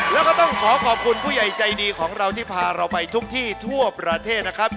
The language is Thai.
แล้วก็ต้องขอขอบคุณผู้ใหญ่ใจดีของเราที่พาเราไปทุกที่ทั่วประเทศนะครับ